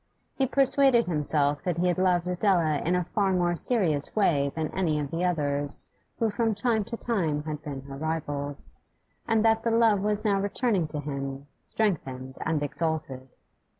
He persuaded himself that he had loved Adela in a far more serious way than any of the others who from time to time had been her rivals, and that the love was now returning to him, strengthened and exalted.